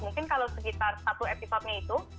mungkin kalau sekitar satu episode nya itu